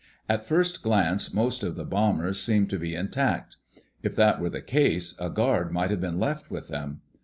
At first glance most of the bombers seemed to be intact. If that were the case, a guard might have been left with them.